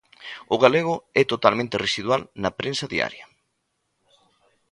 O galego é totalmente residual na prensa diaria.